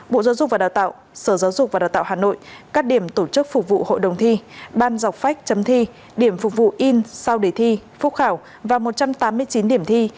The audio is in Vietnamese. bộ giáo dục và đào tạo sở giáo dục và đào tạo hà nội các điểm tổ chức phục vụ hội đồng thi ban dọc phách chấm thi điểm phục vụ in sau đề thi phúc khảo và một trăm tám mươi chín điểm thi